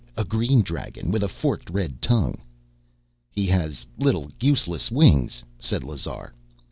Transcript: A green dragon, with a forked red tongue...." "He has little useless wings," said Lazar.